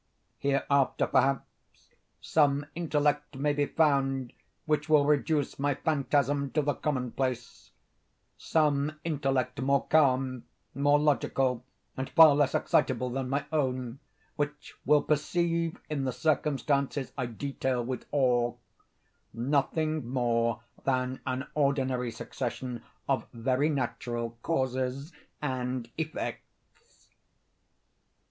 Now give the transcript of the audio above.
Hereafter, perhaps, some intellect may be found which will reduce my phantasm to the common place—some intellect more calm, more logical, and far less excitable than my own, which will perceive, in the circumstances I detail with awe, nothing more than an ordinary succession of very natural causes and effects.